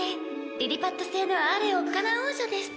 「リリパット星のアーレ・オッカナ王女です」